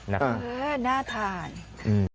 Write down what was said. น่าเออน่าทานอืม